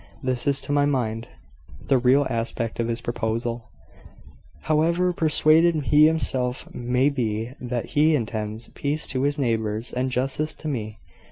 This is, to my mind, the real aspect of his proposal, however persuaded he himself may be that he intends peace to his neighbours, and justice to me.